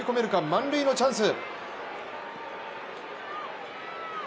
満塁のチャンス。